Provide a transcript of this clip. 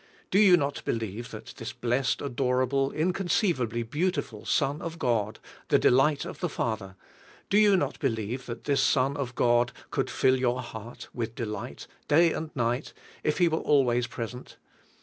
Do you not believe that this blessed, adorable, inconceivably beautiful Son of God, the delight of the Father, — do 3^3u not believe that this Son of God could fill your heart with delight day and night, if He were al ways present?